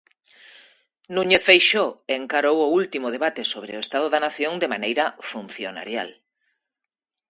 Núñez Feixóo encarou o último debate sobre o estado da nación de maneira funcionarial.